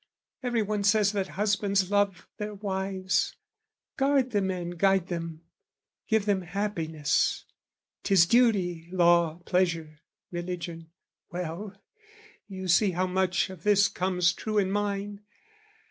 Everyone says that husbands love their wives, Guard them and guide them, give them happiness; 'Tis duty, law, pleasure, religion: well, You see how much of this comes true in mine!